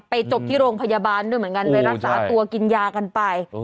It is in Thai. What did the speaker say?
จบที่โรงพยาบาลด้วยเหมือนกันไปรักษาตัวกินยากันไป